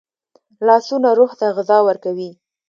لاسونه روح ته غذا ورکوي